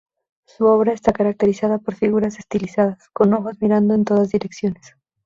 Su obra está caracterizada por figuras estilizadas, con ojos mirando en todas direcciones.